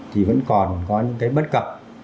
thì vẫn còn có những bất cập